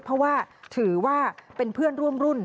เพราะว่าถือว่าเป็นเพื่อนร่วมรุ่น